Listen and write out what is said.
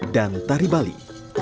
dan tari bali